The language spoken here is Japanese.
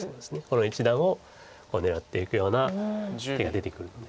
この一団を狙っていくような手が出てくるんで。